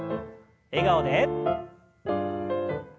笑顔で。